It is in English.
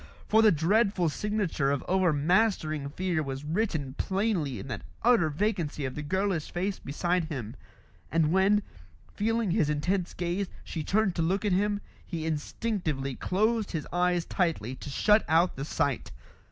For the dreadful signature of overmastering fear was written plainly in that utter vacancy of the girlish face beside him; and when, feeling his intense gaze, she turned to look at him, he instinctively closed his eyes tightly to shut out the sight.